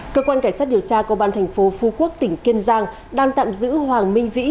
cơ quan cảnh sát điều tra công an thành phố phú quốc tỉnh kiên giang đang tạm giữ hoàng minh vĩ